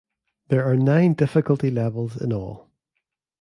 There are nine difficulty levels in all.